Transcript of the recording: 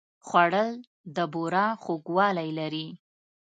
خوړل د بوره خوږوالی لري